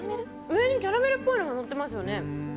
上にキャラメルっぽいのがのっていますね。